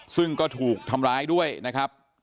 ซึ่งก็ถูกทำร้ายด้วยนะครับ